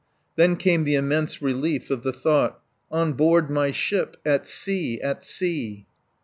Then came the immense relief of the thought: on board my ship! At sea! At sea!